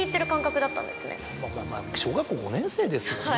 まぁ小学校５年生ですもんね。